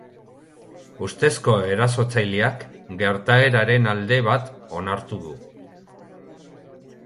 Ustezko erasotzaileak gertaeraren alde bat onartu du.